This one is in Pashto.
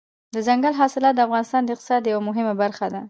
دځنګل حاصلات د افغانستان د اقتصاد یوه مهمه برخه ده.